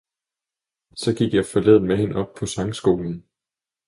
så gik jeg forleden med hende op på sangskolen.